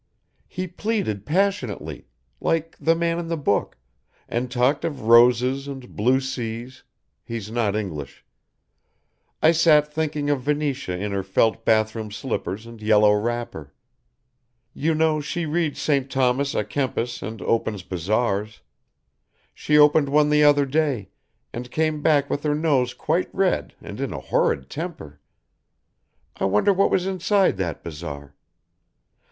"He pleaded passionately like the man in the book, and talked of roses and blue seas he's not English I sat thinking of Venetia in her felt bath room slippers and yellow wrapper. You know she reads St. Thomas à Kempis and opens bazaars. She opened one the other day, and came back with her nose quite red and in a horrid temper I wonder what was inside that bazaar?